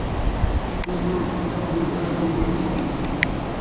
Ilu n Tefriqt yugar win n Asya.